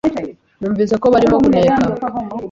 Numvise ko barimo kuneka.